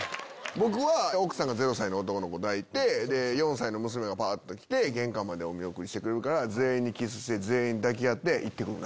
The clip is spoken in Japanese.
僕は奥さんが０歳の男の子抱いて４歳の娘がぱっと来て玄関までお見送りしてくれるから全員にキスして全員抱き合って行って来るな！